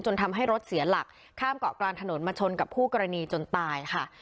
ทำให้รถเสียหลักข้ามเกาะกลางถนนมาชนกับคู่กรณีจนตายค่ะ